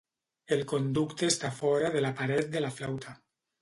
El conducte està fora de la paret de la flauta.